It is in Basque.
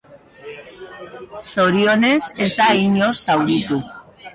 Zorionez, ez da inor zauritu.